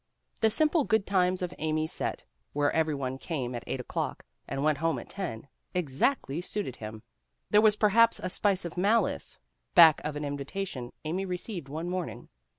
The simple good times of Amy's set where every one came at eight o 'clock and went home at ten, exactly suited him. There was perhaps a spice of malice back of an invitation Amy received one morning.